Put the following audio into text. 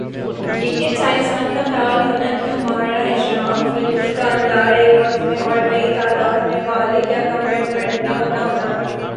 لیکن سائنسدان کا خیال ہونا کہ ہمارہ اجرام فلکی کا اندر ایک وقت میں اور کی تعداد میں بالغ یا کم عمر پرندہ ہونا ہونا